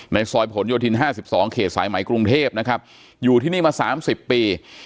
ในซอยผลโยธินห้าสิบสองเขตสายใหม่กรุงเทพนะครับอยู่ที่นี่มาสามสิบปี